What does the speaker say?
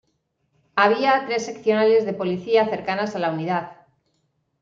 Había tres seccionales de policía cercanas a la unidad.